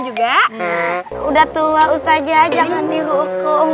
udah tua ustazah jangan dihukum